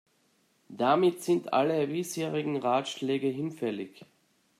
Damit sind alle bisherigen Ratschläge hinfällig.